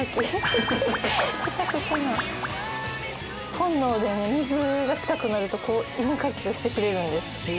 本能で水が近くなると犬かきをしてくれるんです。